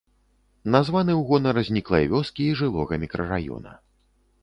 Названы ў гонар зніклай вёскі і жылога мікрараёна.